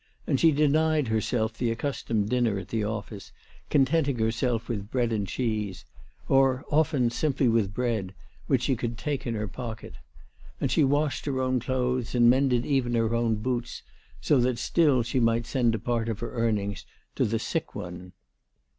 And she denied herself her accus tomed dinner at the office, contenting herself with bread and cheese, or often simply with bread, which she could take in her pocket. And she washed her own clothes and mended even her own boots, so that still she might send a part of her earnings to the sick one.